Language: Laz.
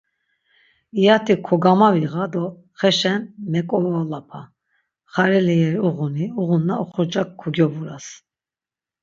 İyati kogamaviğa do xeşen mek̆ovolapa, xareli yeri uğuni, uğunna oxorcak kogyoburas.